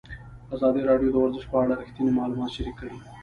ازادي راډیو د ورزش په اړه رښتیني معلومات شریک کړي.